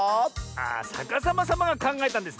ああさかさまさまがかんがえたんですね。